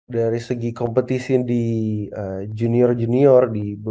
dari segi kompetisi di junior junior